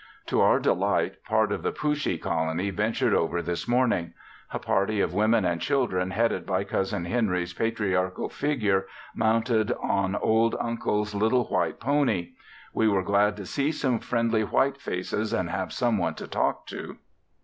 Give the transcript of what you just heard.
To our delight part of the Pooshee colony ventured over this morning; a party of women and children headed by Cousin Henry's patriarchal figure mounted on old Uncle's little white pony. We were glad to see some friendly white faces and have someone to talk to.